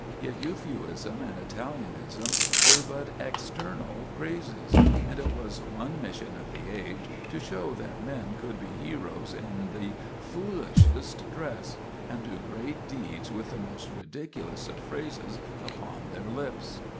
Yet Euphuism and Italianism were but external crazes; and it was one mission of the age to show that men could be heroes in the foolishest dress, and do great deeds with the most ridiculous of phrases upon their lips.